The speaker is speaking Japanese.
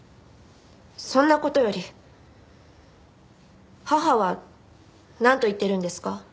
そんな事より母はなんと言ってるんですか？